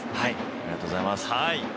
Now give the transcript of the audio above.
ありがとうございます。